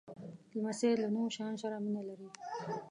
لمسی له نویو شیانو سره مینه لري.